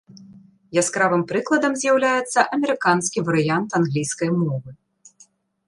Яскравым прыкладам з'яўляецца амерыканскі варыянт англійскай мовы.